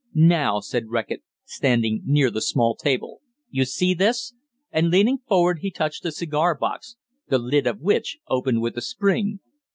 "Now," said Reckitt, standing near the small table, "you see this!" and, leaning forward, he touched the cigar box, the lid of which opened with a spring.